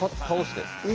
倒して。